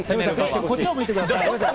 こっちを向いてください。